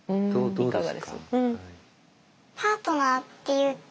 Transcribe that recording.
いかがです？